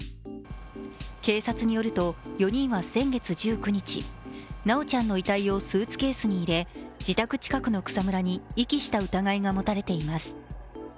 警察によると４人は先月１９日、修ちゃんの遺体をスーツケースに入れ、自宅近くの草むらに遺棄した疑いが持たれています。